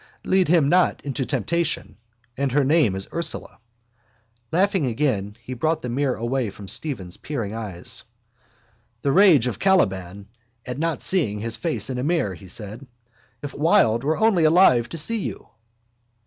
Lead him not into temptation. And her name is Ursula. Laughing again, he brought the mirror away from Stephen's peering eyes. —The rage of Caliban at not seeing his face in a mirror, he said. If Wilde were only alive to see you!